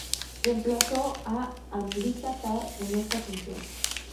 Reemplazó a Amrita Tarr en esta función.